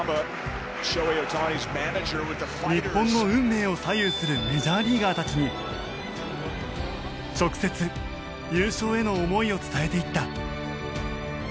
日本の運命を左右するメジャーリーガーたちに直接優勝への思いを伝えていった。